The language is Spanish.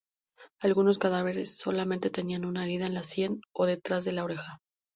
Algunos cadáveres solamente tenían una herida en la sien o detrás de la oreja.